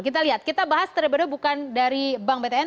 kita lihat kita bahas terlebih dahulu bukan dari bank btn